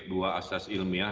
dua asas ilmiah